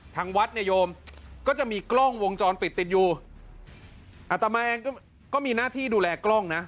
ทางวัดเนี่ยโยมก็จะมีกล้องวงจรปิดติดอยู่อัตมาเองก็มีหน้าที่ดูแลกล้องนะ